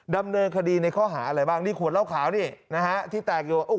ดำเนินคดีในข้อหาอะไรบ้างนี่ขวดเหล้าขาวนี่นะฮะที่แตกอยู่